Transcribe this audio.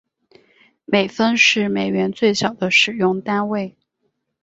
美分是美元最小的使用单位。